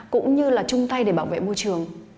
cũng như là chung tay để bảo vệ môi trường